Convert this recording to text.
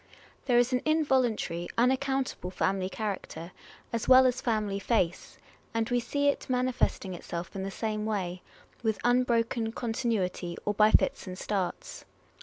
There is an involuntary, unaccountable family character, as well as family face ; and we see it manifesting itself in the same way, with unbroken con tinuity, or by fits and starts.